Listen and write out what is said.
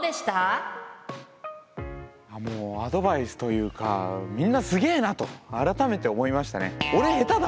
もうアドバイスというかみんなすげえなと改めて思いましたね。